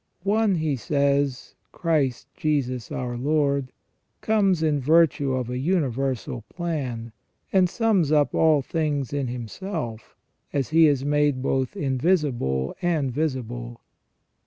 " One," he says, " Christ Jesus our Lord, comes in virtue of a universal plan, and sums up all things in Himself, as He is made both invisible and visible.